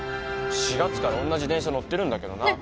４月から同じ電車乗ってるんだけどねえ